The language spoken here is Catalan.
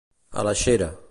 A la xera.